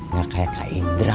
gak kayak kak indra